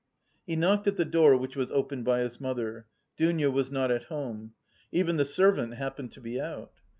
He knocked at the door which was opened by his mother. Dounia was not at home. Even the servant happened to be out.